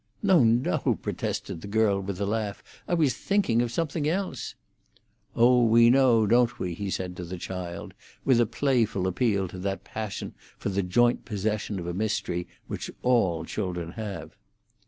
"No, no," protested the girl, with a laugh. "I was thinking of something else." "Oh, we know her, don't we?" he said to the child, with a playful appeal to that passion for the joint possession of a mystery which all children have.